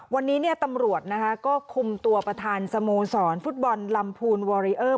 วันนี้ตำรวจก็คุมตัวประธานสโมสรฟุตบอลลำพูนวอริเออร์